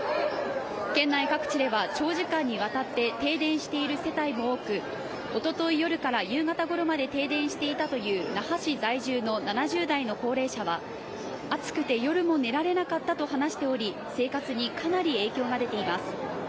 県内各地では長時間にわたって停電している世帯も多く、おととい夜から夕方ごろまで停電していたという那覇市在住の７０代の高齢者は暑くて夜も寝られなかったと話しており、生活にかなり影響が出ています。